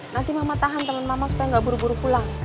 nanti mama tahan teman mama supaya nggak buru buru pulang